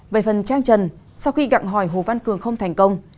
về phần trang trần sau khi gặng hỏi hồ văn cường không thành công